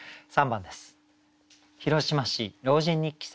３番です。